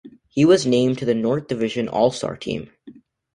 He was named to the North Division All-Star team.